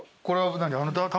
これは何？